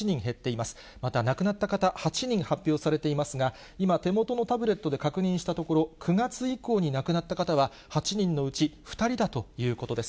また亡くなった方８人発表されていますが、今、手元のタブレットで確認したところ、９月以降に亡くなった方は８人のうち２人だということです。